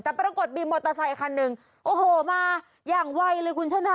แต่ปรากฏมีมอเตอร์ไซคันหนึ่งโอ้โหมาอย่างไวเลยคุณชนะ